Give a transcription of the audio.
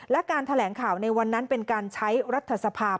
และการแถลงข่าวในวันนั้นเป็นการใช้รัฐสภาพ